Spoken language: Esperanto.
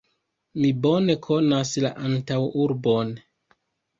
Mi bone konas la antaŭurbon.